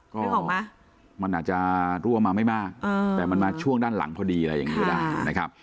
ก็มันอาจจะรั่วมาไม่มากแต่มันมาช่วงด้านหลังพอดีอะไรอย่างนี้ก็ได้นะครับ